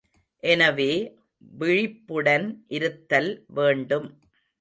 எனவே விழிப்புடன் இருத்தல் வேண்டும்.